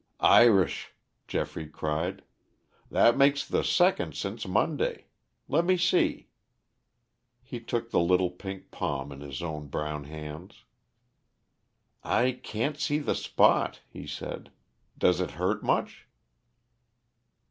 "Irish," Geoffrey cried. "That makes the second since Monday. Let me see." He took the little pink palm in his own brown hands. "I can't see the spot," he said. "Does it hurt much?"